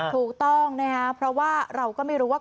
ถูกต้องนะครับเพราะว่าเราก็ไม่รู้ว่า